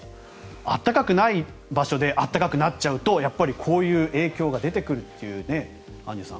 暖かくない場所で暖かくなっちゃうとやっぱりこういう影響が出てくるというアンジュさん